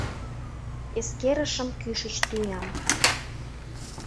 Эскерышым кӱшыч тӱням.